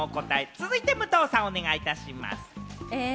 続いて武藤さん、お願いします。